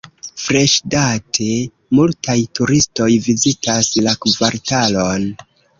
Freŝdate, multaj turistoj vizitas la kvartalon.